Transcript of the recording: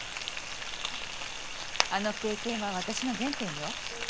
あの経験は私の原点よ。